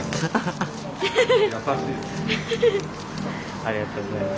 ありがとうございます。